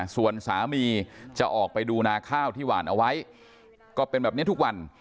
ส่วนสามีจะออกไปดูนาข้าวที่หวานเอาไว้ก็เป็นแบบนี้ทุกวัน